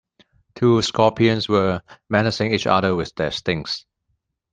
Two scorpions were menacing each other with their stings.